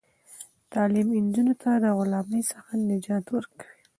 تعلیم نجونو ته د غلامۍ څخه نجات ورکوي.